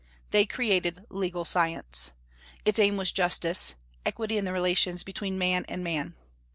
They created legal science. Its aim was justice, equity in the relations between man and man.